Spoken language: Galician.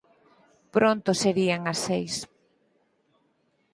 pronto serían as seis.